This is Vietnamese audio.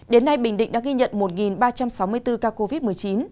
đến nay bình định đã ghi nhận một ba trăm sáu mươi bốn ca covid một mươi chín